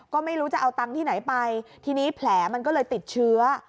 ก็ไม่รู้จะเอาตังค์ที่ไหนไปทีนี้แผลมันก็เลยติดเชื้อ